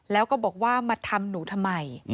แล้วก็บอกว่ามาทำหนูทำไม